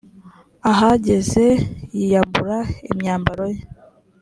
ahageze yiyambura imyambaro ye .